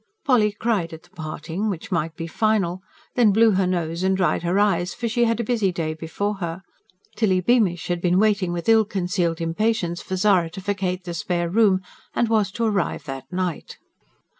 Polly cried at the parting, which might be final; then blew her nose and dried her eyes; for she had a busy day before her. Tilly Beamish had been waiting with ill concealed impatience for Zara to vacate the spare room, and was to arrive that night.